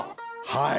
はい！